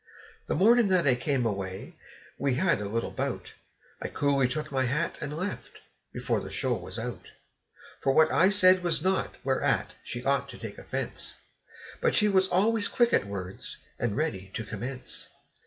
The mornin' that I come away, we had a little bout; I coolly took my hat and left, before the show was out. For what I said was naught whereat she ought to take offense; And she was always quick at words and ready to commence.